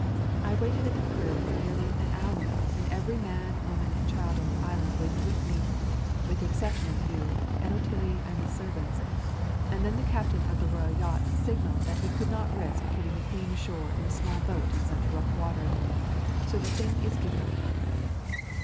I waited at the Creux for nearly an hour, and every man, woman, and child on the island waited with me, with the exception of you and Otillie and the servants, and then the captain of the royal yacht signalled that he could not risk putting the Queen ashore in a small boat in such rough water. So the thing is given up."